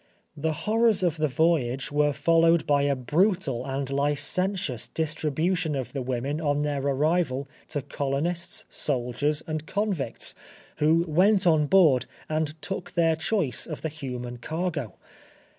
The horrors of the voyage were followed by a brutal and licentious distribution of the women on their arrival to colonists, soldiers, and convicts, who went on board and took their choice of the human cargo.